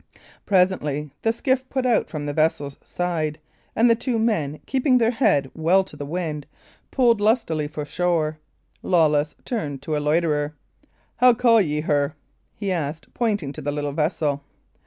Presently the skiff put out from the vessel's side, and the two men, keeping her head well to the wind, pulled lustily for shore. Lawless turned to a loiterer. "How call ye her?" he asked, pointing to the little vessel.